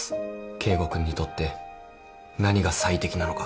圭吾君にとって何が最適なのか。